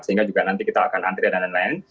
sehingga juga nanti kita akan antrian dan lain lain